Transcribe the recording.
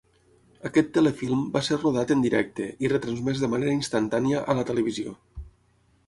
Aquest telefilm va ser rodat en directe i retransmès de manera instantània a la televisió.